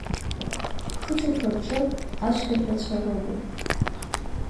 Ақыҭақәа рҿы ацәгьаҳәацәа рымоуп…